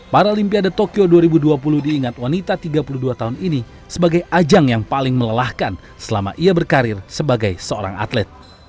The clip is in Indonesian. paralimpiade tokyo dua ribu dua puluh diingat wanita tiga puluh dua tahun ini sebagai ajang yang paling melelahkan selama ia berkarir sebagai seorang atlet